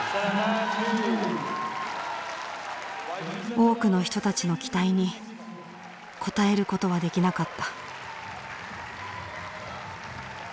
多くの人たちの期待に応えることはできなかった。